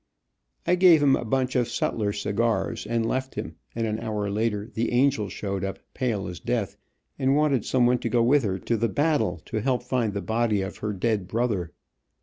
I gave him a bunch of sutler cigars, and left him, and an hour later the "angel" showed up, pale as death, and wanted some one to go with her to the battle held to help find the body of her dead brother.